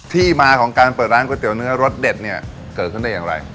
ที่มาของการเปิดร้านก๋วเนื้อรสเด็ดเนี่ยเกิดขึ้นได้อย่างไร